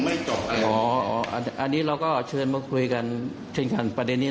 อ๋ออันนี้เราก็เชิญมาคุยกันเช่นกันประเด็นนี้